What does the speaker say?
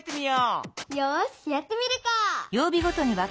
よしやってみるか！